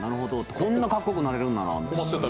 こんなかっこよくなれるんなら。